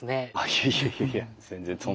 いやいやいやいや全然そんなことは。